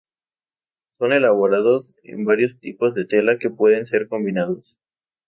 Son elaborados en varios tipos de tela que pueden ser combinadas.